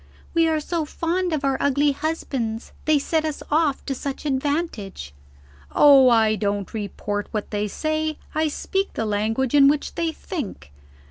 'We are so fond of our ugly husbands; they set us off to such advantage.' Oh, I don't report what they say; I speak the language in which they think.